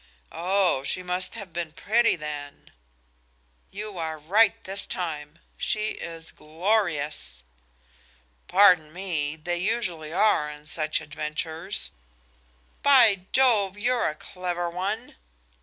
"Oh, she must have been pretty, then." "You are right this time. She is glorious." "Pardon me! They usually are in such adventures." "By Jove, you're a clever one!"